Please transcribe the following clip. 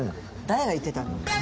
誰が言ってたの？